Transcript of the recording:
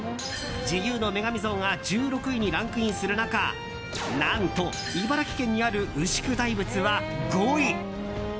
自由の女神像が１６位にランクインする中何と、茨城県にある牛久大仏は５位。